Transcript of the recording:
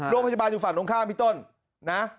โรงพยาบาลอยู่ฝั่งตรงข้ามพี่ต้นนะ